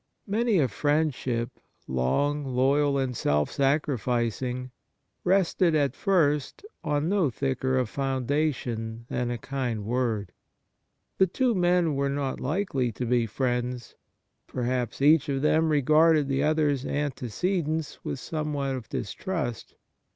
Many a friendship, long, loyal and self sacrificing, rested at first on no thicker a foundation than a kind word. The two men were not likely to be friends. Perhaps each of them regarded the other's antecedents with some w^hat of distrust.